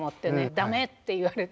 駄目って言われて。